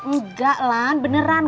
nggak lan beneran